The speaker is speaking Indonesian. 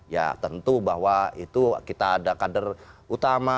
ya tentu bahwa itu kita ada kader utama